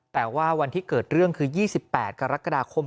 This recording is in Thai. แต่ว่าวันที่เกิดเรื่องคือ๒๘กรกฎาคม